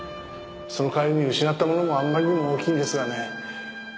その代わりに失ったものもあんまりにも大きいんですがね。